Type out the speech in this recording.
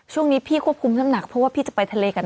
ช่วงนี้พี่ควบคุมน้ำหนักเพราะว่าพี่จะไปทะเลกัน